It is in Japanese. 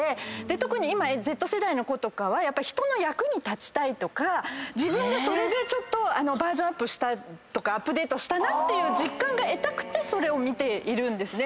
特に今Ｚ世代の子とかは人の役に立ちたいとか自分がそれでちょっとバージョンアップしたとかアップデートしたって実感が得たくてそれを見ているんですね。